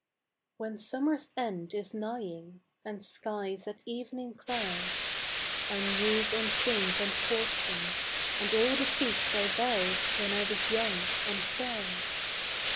When summer's end is nighing And skies at evening cloud, I muse on change and fortune And all the feats I vowed When I was young and proud.